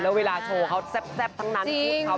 แล้วเวลาโชว์เขาแซ่บทั้งนั้น